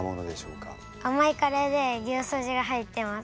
甘いカレーで牛すじが入ってます。